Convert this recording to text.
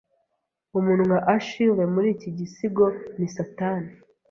Umuntu nka Achilles muri iki gisigo ni Satani